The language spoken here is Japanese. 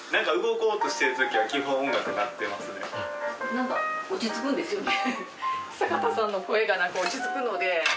何か落ち着くんですよね。